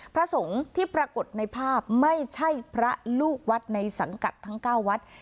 พระสงฆ์ที่ปรากฏในภาพไม่ใช่พระลูกวัดในสังกัดทั้ง๙วัด